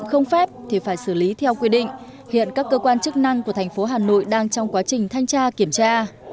không phép thì phải xử lý theo quy định hiện các cơ quan chức năng của thành phố hà nội đang trong quá trình thanh tra kiểm tra